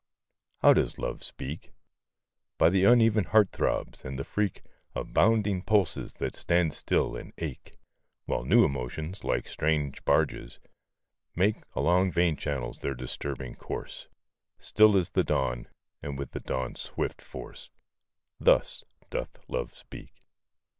How does Love speak? By the uneven heart throbs, and the freak Of bounding pulses that stand still and ache, While new emotions, like strange barges, make Along vein channels their disturbing course; Still as the dawn, and with the dawn's swift force Thus doth Love speak.